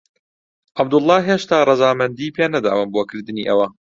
عەبدوڵڵا هێشتا ڕەزامەندیی پێ نەداوم بۆ کردنی ئەوە.